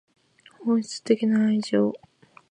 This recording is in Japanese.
本質的な愛情